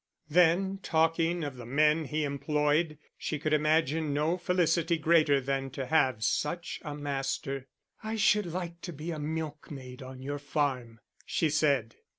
Then, talking of the men he employed, she could imagine no felicity greater than to have such a master. "I should like to be a milkmaid on your farm," she said.